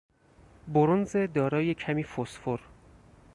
برنز دارای کمی فسفر